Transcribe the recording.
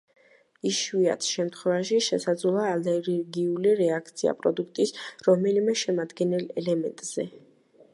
იშვიათ შემთხვევაში შესაძლოა ალერგიული რეაქცია, პროდუქტის რომელიმე შემადგენელ ელემენტზე.